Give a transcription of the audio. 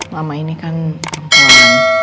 mama ini kan perempuan